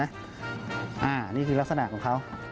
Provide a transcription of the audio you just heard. อันนี้คือลักษณะของเขา